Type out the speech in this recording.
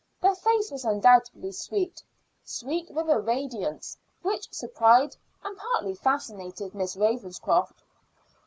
The face was undoubtedly sweet sweet with a radiance which surprised and partly fascinated Miss Ravenscroft.